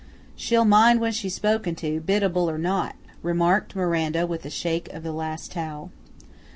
"She'll mind when she's spoken to, biddable or not," remarked Miranda with a shake of the last towel.